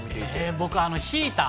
僕、ヒーター。